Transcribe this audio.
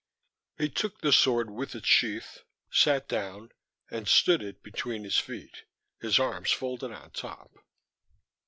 He took the sword with its sheath, sat down, and stood it between his feet, his arms folded on top.